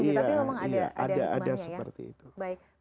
tapi memang ada ada seperti itu